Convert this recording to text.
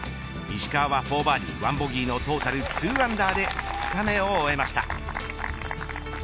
石川は４バーディー１ボギーのトータル２アンダーで２日目を終えました。